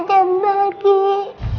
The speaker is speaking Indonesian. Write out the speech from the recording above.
mama jangan pergi